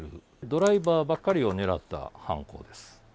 ドライバーばっかりを狙った犯行です。